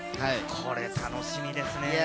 これ、楽しみですよね。